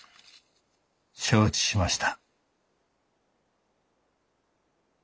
承知しました。